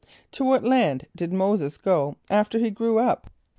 = To what land did M[=o]´[s+]e[s+] go after he grew up?